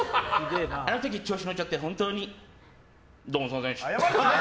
あの時、調子乗っちゃって本当にどうもすみませんでした。